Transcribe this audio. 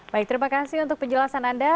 baik terima kasih untuk penjelasan anda